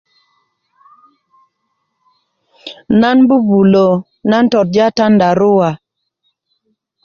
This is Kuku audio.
nan bubulö nan torja tandarua